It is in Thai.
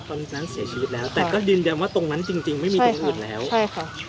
ตอนนั้นเสียชีวิตแล้วแต่ก็ยืนยันว่าตรงนั้นจริงจริงไม่มีตรงอื่นแล้วใช่ค่ะ